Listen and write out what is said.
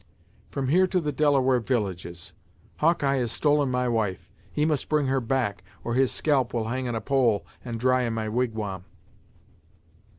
"From here to the Delaware villages. Hawkeye has stolen my wife; he must bring her back, or his scalp will hang on a pole, and dry in my wigwam."